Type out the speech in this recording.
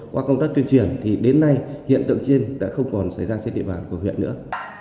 qua công tác tuyên truyền thì đến nay hiện tượng trên đã không còn xảy ra trên địa bàn của huyện nữa